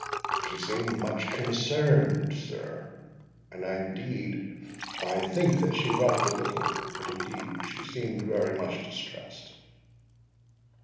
"She seemed much concerned, sir; and indeed I think that she wept a little—but indeed she seemed very much distressed."